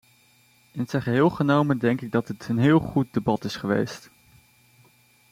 In zijn geheel genomen denk ik dat dit een heel goed debat is geweest.